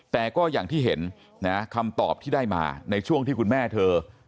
แต่ก็อย่างที่เห็นนะคำตอบที่ได้มาในช่วงที่คุณแม่เธอ